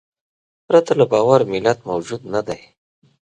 پرته له باور ملت موجود نهدی.